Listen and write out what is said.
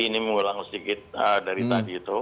ini mengulang sedikit dari tadi itu